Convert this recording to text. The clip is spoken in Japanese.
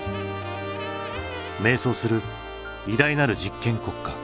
迷走する偉大なる実験国家。